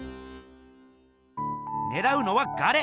ねらうのは「ガレ」！